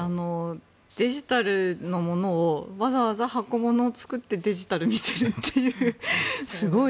デジタルのものをわざわざ箱物を作ってデジタルを見せるというすごい。